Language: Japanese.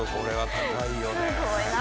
すごいな。